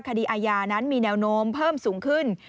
คดีอาญานั้นมีแนวโน้มเพิ่มสูงขึ้น